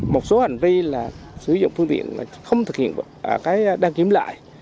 một số hành vi là sử dụng phương tiện không thực hiện cái đăng kiểm lại